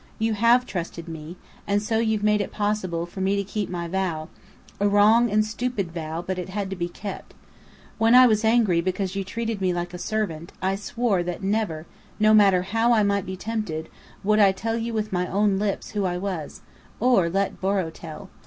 You have trusted me, and so you've made it possible for me to keep my vow a wrong and stupid vow, but it had to be kept. When I was angry because you treated me like a servant, I swore that never, no matter how I might be tempted, would I tell you with my own lips who I was or let Borrow tell.